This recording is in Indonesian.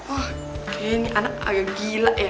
oh ini anak agak gila ya